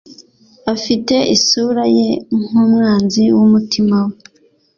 Afite isura ye nkumwanzi wumutima we